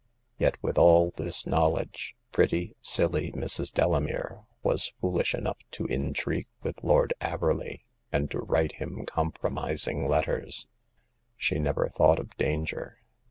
Yet, with all this knowledge, pretty, silly Mrs. Delamere was foolish enough to intrigue with Lord Averley, and to write him compromising letters. She never thought of danger.